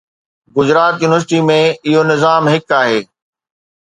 Gujarat university ۾ اهو نظام هڪ آهي